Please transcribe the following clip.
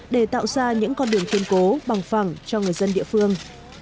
để tạo ra những con đường thiên cố bằng phẳng cho người dân địa phương